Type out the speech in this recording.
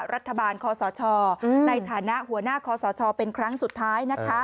รัฐบาลคอสชในฐานะหัวหน้าคอสชเป็นครั้งสุดท้ายนะคะ